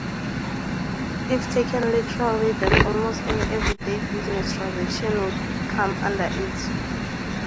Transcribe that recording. If taken literally then almost any everyday business transaction would come under it.